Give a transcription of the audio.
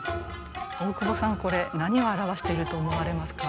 大久保さんこれ何を表していると思われますか？